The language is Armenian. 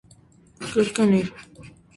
Այդ ժամանակ դա ավելի քան բավարար է համարվել։